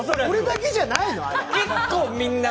俺だけじゃないの？